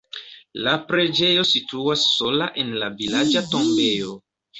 La preĝejo situas sola en la vilaĝa tombejo.